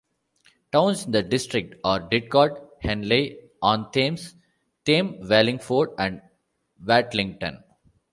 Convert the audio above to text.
Towns in the district are Didcot, Henley-on-Thames, Thame, Wallingford and Watlington.